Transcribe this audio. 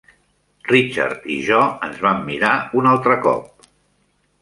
Richard i jo ens vam mirar un altre cop.